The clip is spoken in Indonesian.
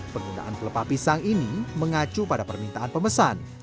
penggunaan pelepah pisang ini mengacu pada permintaan pemesan